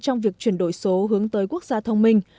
trong việc chuyển đổi số hướng tới quốc gia thông minh